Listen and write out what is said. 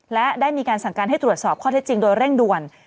และได้มีการสั่งการให้ตรวจสอบข้อเท็จจริงโดยเร่งด่วน